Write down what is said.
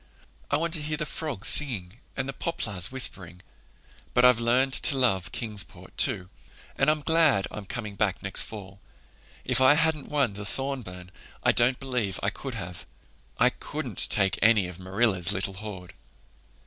I want to hear the frogs singing and the poplars whispering. But I've learned to love Kingsport, too, and I'm glad I'm coming back next fall. If I hadn't won the Thorburn I don't believe I could have. I couldn't take any of Marilla's little hoard."